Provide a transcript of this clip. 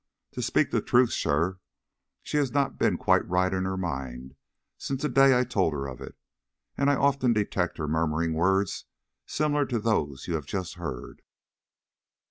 To speak the truth, sir, she has not been quite right in her mind since the day I told her of it; and I often detect her murmuring words similar to those you have just heard."